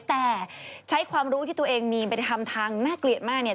แต่ใช้ความรู้ที่ตัวเองมีไปทำทางน่าเกลียดมากเนี่ย